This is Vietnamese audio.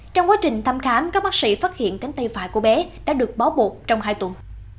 trong quá trình thăm khám các bác sĩ phát hiện cánh tay phải của bé đã được bó bột trong hai tuần